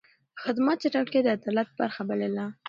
د خدمت چټکتيا يې د عدالت برخه بلله.